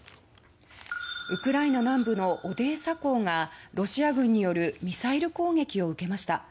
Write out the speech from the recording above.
ウクライナ南部のオデーサ港がロシア軍によるミサイル攻撃を受けました。